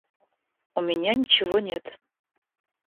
У меня ничего нет.